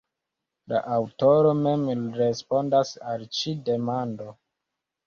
La aŭtoro mem respondas al ĉi demando.